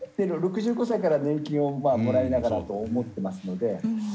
６５歳から年金をもらいながらと思ってますので。